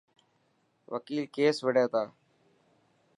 وڪيل ڪيس وڙي تا.